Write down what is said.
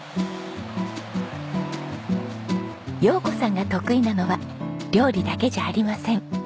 洋子さんが得意なのは料理だけじゃありません。